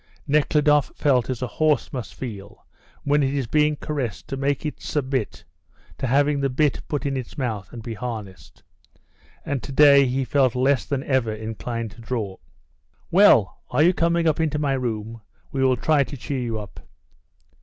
Nekhludoff felt as a horse must feel when it is being caressed to make it submit to having the bit put in its mouth and be harnessed, and to day he felt less than ever inclined to draw. "Well, are you coming into my room? We will try to cheer you up."